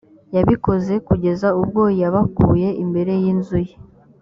yabikoze kugeza ubwo yabakuye imbere y’inzu ye